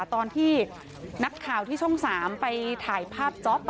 ตอนที่นักข่าวที่ช่อง๓ไปถ่ายภาพจ๊อป